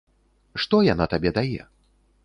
Што яна табе дае?